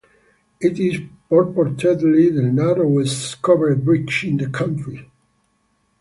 It is purportedly the narrowest covered bridge in the county.